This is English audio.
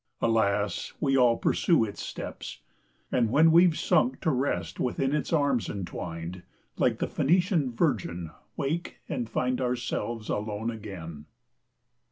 Alas! we all pursue its steps! and when We've sunk to rest within its arms entwined, Like the Phoenician virgin, wake, and find Ourselves alone again.